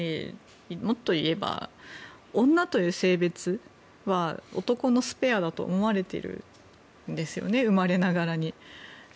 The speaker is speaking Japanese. もっと言えば、女という性別は男のスペアだと思われているんですよね生まれながらに。